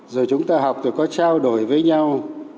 rồi chúng ta học rồi có trao đổi với nhau